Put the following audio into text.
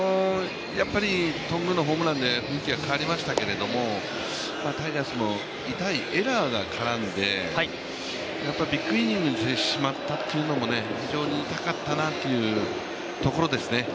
頓宮のホームランで雰囲気が変わりましたけど、タイガースも痛いエラーが絡んで、ビッグイニングにしてしまったというのも非常に痛かったなというところですね。